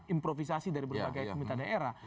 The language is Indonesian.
improvisasi dari berbagai pemerintah daerah